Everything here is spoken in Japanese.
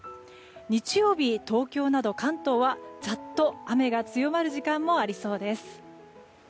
日曜日、東京など関東はざっと雨が強まる時間もありそうです。